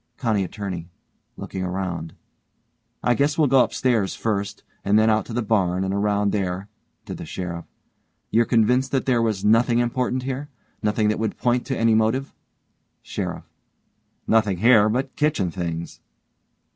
COUNTY ATTORNEY: (looking around) I guess we'll go upstairs first and then out to the barn and around there, (to the SHERIFF) You're convinced that there was nothing important here nothing that would point to any motive. SHERIFF: Nothing here but kitchen things.